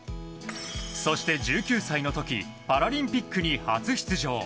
そして１９歳の時パラリンピックに初出場。